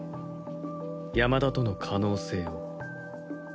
山田との可能性を。